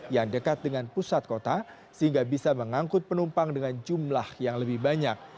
yang dekat dengan pusat kota sehingga bisa mengangkut penumpang dengan jumlah yang lebih banyak